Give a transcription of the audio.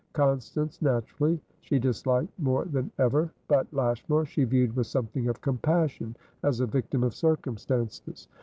Constance, naturally, she disliked more than ever, but Lashmar she viewed with something of compassion, as a victim of circumstances.